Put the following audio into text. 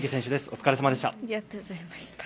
お疲れ様でした。